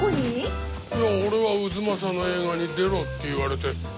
いや俺は太秦の映画に出ろって言われて。